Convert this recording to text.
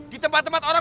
di tempat tempat orang